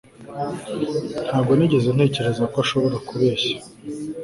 Ntabwo nigeze ntekereza ko ashobora kubeshya